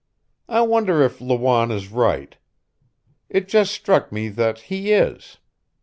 "I wonder if Lawanne is right? It just struck me that he is.